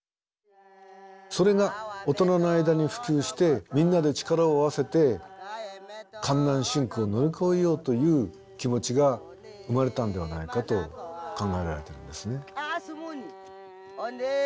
それが大人の間に普及してみんなで力を合わせて艱難辛苦を乗り越えようという気持ちが生まれたんではないかと考えられているんですね。